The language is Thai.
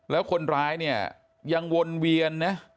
แล้วคนร้ายเนี่ยยังวนเวียนนะ